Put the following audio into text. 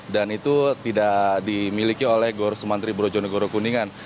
dan itu tidak dimiliki oleh gor sumantri borjonegoro kuningan